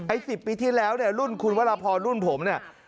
ไอ้๑๐ปีที่แล้วรุ่นคุณวัดละพอร์รุ่นผม